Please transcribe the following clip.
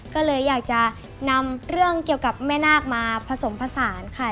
ก็เลยอยากจะนำเรื่องเกี่ยวกับแม่นาคมาผสมผสานค่ะ